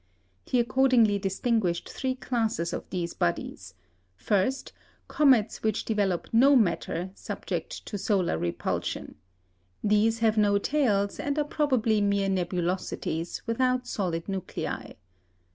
He accordingly distinguished three classes of these bodies: First, comets which develop no matter subject to solar repulsion. These have no tails, and are probably mere nebulosities, without solid nuclei.